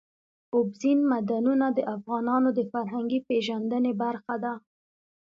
اوبزین معدنونه د افغانانو د فرهنګي پیژندنې برخه ده.